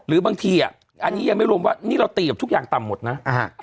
หรือบางทีอันนี้ยังไม่รวมว่านี่เราตีกับทุกอย่างต่ำหมดนะ